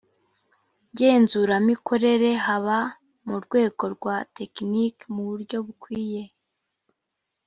ngenzuramikorere haba mu rwego rwa tekiniki mu buryo bukwiye